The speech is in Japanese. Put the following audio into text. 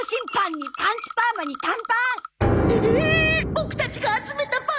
ボクたちが集めた「パン」